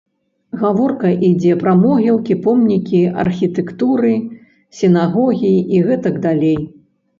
Гаворка ідзе пра могілкі, помнікі архітэктуры, сінагогі і гэтак далей.